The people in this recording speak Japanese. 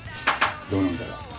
どうなんだよ？